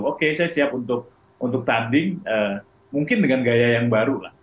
oke saya siap untuk tanding mungkin dengan gaya yang baru lah